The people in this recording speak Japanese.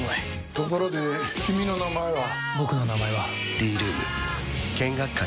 ところで君の名前は？